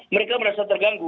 mereka merasa terganggu